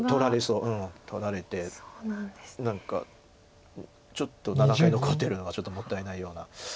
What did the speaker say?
うん取られて何かちょっと７回残ってるのがちょっともったいないような。